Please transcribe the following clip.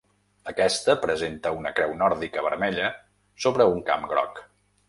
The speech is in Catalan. Aquesta presenta una creu nòrdica vermella sobre un camp groc.